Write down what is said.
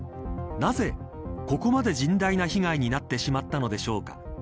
なぜ、ここまで甚大な被害になってしまったのでしょうか。